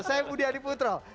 saya budi adiputro